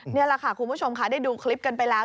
นี่แหละค่ะคุณผู้ชมค่ะได้ดูคลิปกันไปแล้ว